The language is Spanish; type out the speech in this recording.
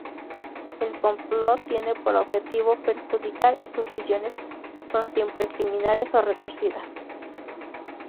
El "complot" tiene por objetivo perjudicar, y sus visiones son siempre criminales o retorcidas.